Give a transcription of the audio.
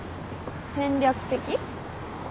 戦略的？